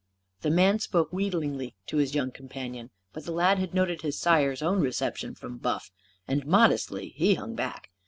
The man spoke wheedlingly to his young companion. But the lad had noted his sire's own reception from Buff. And, modestly, he hung back.